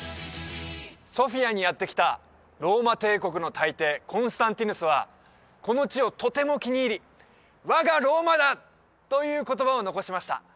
ソフィアにやって来たローマ帝国の大帝コンスタンティヌスはこの地をとても気に入り「我がローマだ！」という言葉を残しました